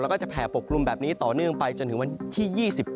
แล้วก็จะแผ่ปกกลุ่มแบบนี้ต่อเนื่องไปจนถึงวันที่๒๙